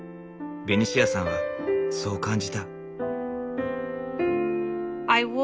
ベ二シアさんはそう感じた。